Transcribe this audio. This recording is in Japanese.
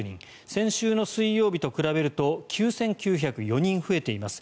先週の水曜日と比べると９９０４人増えています。